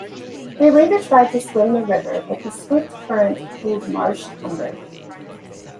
They later tried to swim the river, but the swift current pulled Marsh under.